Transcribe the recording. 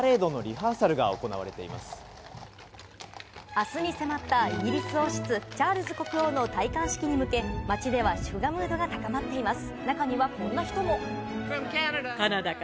明日に迫ったイギリス王室チャールズ国王の戴冠式に向け、街では祝賀ムードが高まっています。